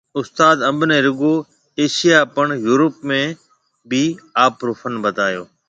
استاد انب ني رگو ايشياھ پڻ يورپ ۾ بِي آپرو فن بتايو